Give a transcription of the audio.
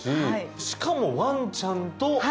しかもワンちゃんと過ごせる。